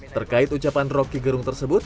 terkait ucapan roky gerung tersebut